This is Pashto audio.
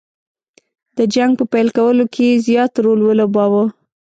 د جنګ په پیل کولو کې زیات رول ولوباوه.